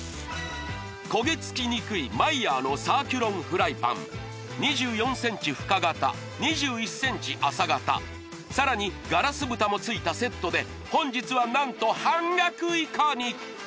焦げ付きにくいＭＥＹＥＲのサーキュロンフライパン２４ｃｍ深型２１ｃｍ浅型さらにガラス蓋もついたセットで本日は何と半額以下に！